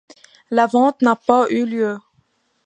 La vente n'a pas eu lieu.